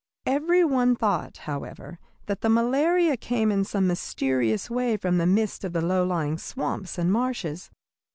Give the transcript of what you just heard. Every one thought, however, that the malaria came in some mysterious way from the mists of the low lying swamps and marshes.